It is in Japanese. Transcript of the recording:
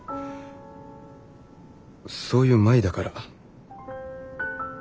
そういう舞だから。